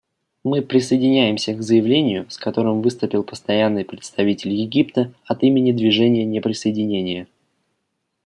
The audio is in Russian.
Мы присоединяемся к заявлению, с которым выступил Постоянный представитель Египта от имени Движения неприсоединения.